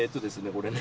これね。